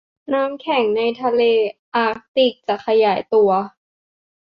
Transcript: น้ำแข็งในทะเลอาร์กติกจะขยายตัว